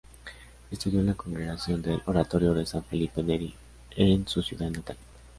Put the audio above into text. Estudió en la Congregación del Oratorio de San Felipe Neri en su ciudad natal.